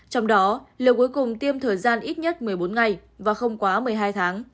trong đó liều cuối cùng tiêm thời gian ít nhất một mươi bốn ngày và không quá một mươi hai tháng